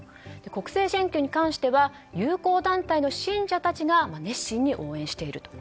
国政選挙に関しては友好団体の信者たちが熱心に応援していると。